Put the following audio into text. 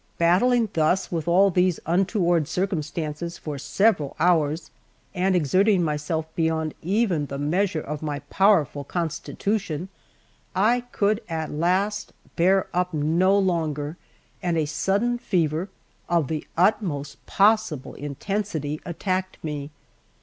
Battling thus with all these untoward circumstances for several hours, and exerting myself beyond even the measure of my powerful constitution, I could at last bear up no longer, and a sudden fever, of the utmost possible intensity, attacked me.